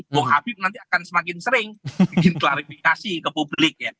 bung habib nanti akan semakin sering bikin klarifikasi ke publik ya